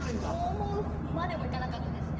思うまでも行かなかったですね